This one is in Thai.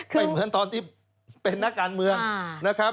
เหมือนตอนที่เป็นนักการเมืองนะครับ